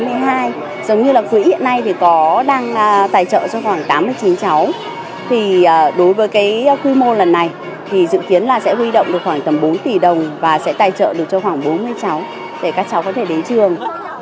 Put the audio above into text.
giống như là quỹ hiện nay thì có đang tài trợ cho khoảng tám mươi chín cháu thì đối với cái quy mô lần này thì dự kiến là sẽ huy động được khoảng tầm bốn tỷ đồng và sẽ tài trợ được cho khoảng bốn mươi cháu để các cháu có thể đến trường